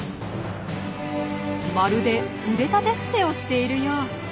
まるで腕立て伏せをしているよう。